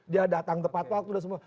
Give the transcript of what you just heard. dia datang tepat waktu dan semua